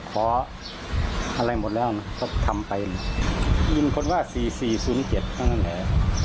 ขออะไรหมดแล้วนะเขาทำไปยินคนว่าสี่สี่ศูนย์เจ็ดข้างข้างแหน่